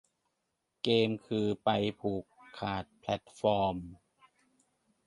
เกมคือไปผูกขาดแพลตฟอร์ม